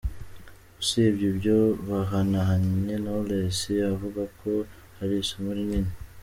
Usibye ibyo bahanahanye Knowless avuga ko hari isomo rinini.